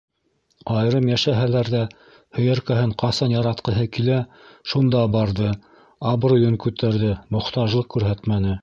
Айырым йәшәһәләр ҙә, һөйәркәһен ҡасан яратҡыһы килһә, шунда барҙы, абруйын күтәрҙе, мохтажлыҡ күрһәтмәне.